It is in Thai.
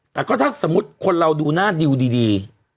แต่ก็ถ้าสมมุติคนเราดูหน้าดิวดี